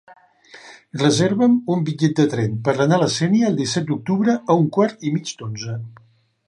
Reserva'm un bitllet de tren per anar a la Sénia el disset d'octubre a un quart i mig d'onze.